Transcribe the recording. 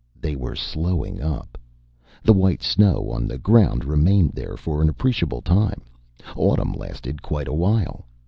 They were slowing up! The white snow on the ground remained there for an appreciable time, autumn lasted quite a while.